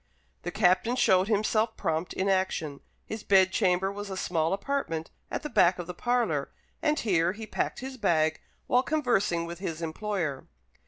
The Captain showed himself prompt in action. His bedchamber was a small apartment at the back of the parlour, and here he packed his bag while conversing with his employer.